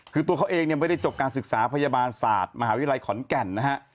คือตัวเขาเองเนี่ยไม่ได้จบการศึกษาพยาบาลศาสตร์มหาวิทยาลัยขอนแก่นนะฮะ